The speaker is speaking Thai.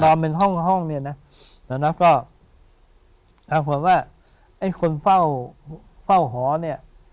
นอนเป็นห้องห้องเนี้ยน่ะแต่แล้วก็ถ้าบอกว่าไอ้คนเฝ้าเฝ้าหอเนี้ย